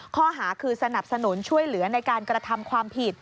ข้อหาคือสนับสนุนช่วยเหลือในการกระทำความผิด